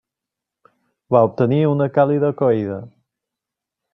Va obtenir una càlida acollida.